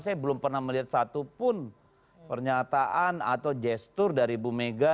saya belum pernah melihat satupun pernyataan atau gesture dari bumega